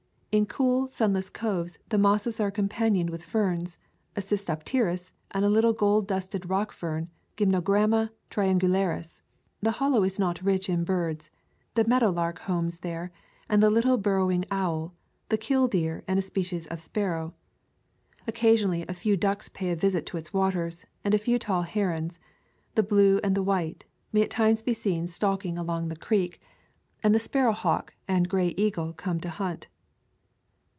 In cool, sunless coves the mosses are companioned with ferns — a Cystopteris and the little gold dusted rock fern, Gymnogramma triangularis. The Hollow is not rich in birds. The meadow lark homes there, and the little burrowing owl, the killdeer, and a species of sparrow. Oc casionally a few ducks pay a visit to its waters, and a few tall herons — the blue and the white — may at times be seen stalking along the [ 198 ] Twenty Hill Hollow creek; and the sparrow hawk and gray eagle ! come to hunt.